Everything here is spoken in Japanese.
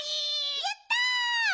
やった！